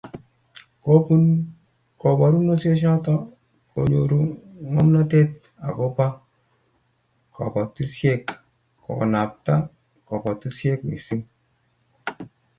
Kobun koborunoisiechoto konyoru ngomnatet agobo kobotisiet kokanabta kobotisiet missing